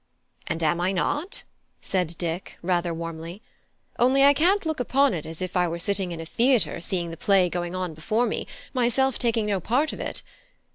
"And am I not?" said Dick, rather warmly; "only I can't look upon it as if I were sitting in a theatre seeing the play going on before me, myself taking no part of it.